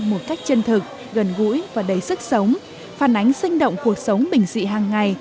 một cách chân thực gần gũi và đầy sức sống phản ánh sinh động cuộc sống bình dị hàng ngày